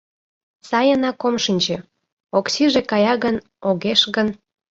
— Сайынак ом шинче: Оксиже кая гын, огеш гын...